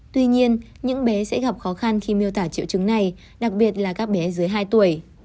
tuy nhiên những bé sẽ gặp khó khăn khi miêu tả triệu chứng này đặc biệt là các bé dưới hai tuổi